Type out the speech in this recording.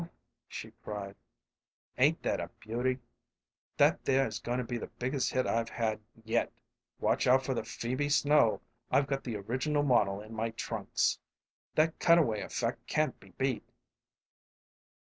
she cried. "Ain't that a beauty! That there is going to be the biggest hit I've had yet. Watch out for the Phoebe Snow! I've got the original model in my trunks. That cutaway effect can't be beat."